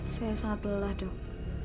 saya sangat lelah dok